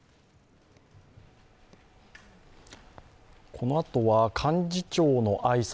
このあとは幹事長の挨拶